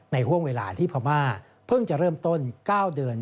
ห่วงเวลาที่พม่าเพิ่งจะเริ่มต้น๙เดือน